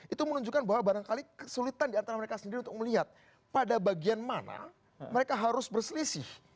itu menunjukkan bahwa barangkali kesulitan diantara mereka sendiri untuk melihat pada bagian mana mereka harus berselisih